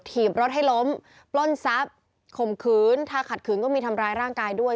ถีบรถให้ล้มปล้นทรัพย์ข่มขืนถ้าขัดขืนก็มีทำร้ายร่างกายด้วย